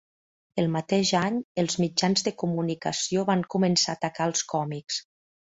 El mateix any, els mitjans de comunicació van començar a atacar els còmics.